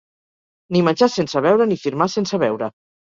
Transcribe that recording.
Ni menjar sense beure, ni firmar sense veure.